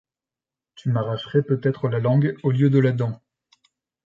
Tu m’arracherais peut-être la langue au lieu de la dent.